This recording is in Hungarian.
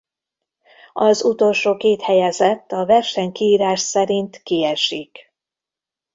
Az utolsó két helyezett a versenykiírás szerint kiesik.